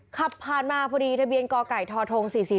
ขับผ่านมาพอดีทะเบียนกไก่ทท๔๔